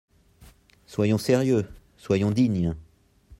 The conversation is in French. Soyons sérieux, soyons dignes.